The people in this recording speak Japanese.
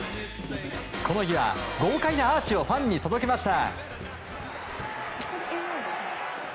この日は豪快なアーチをファンに届けました。